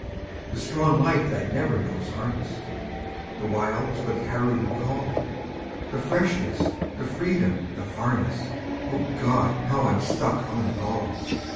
The strong life that never knows harness; The wilds where the caribou call; The freshness, the freedom, the farness O God! how I'm stuck on it all.